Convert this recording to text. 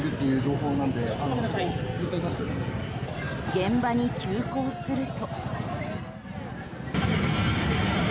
現場に急行すると。